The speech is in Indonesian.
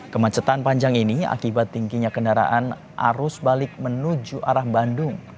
kemacetan panjang ini akibat tingginya kendaraan arus balik menuju arah bandung